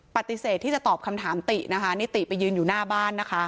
ปฏิเสธที่จะตอบคำถามตินะคะนิติไปยืนอยู่หน้าบ้านนะคะ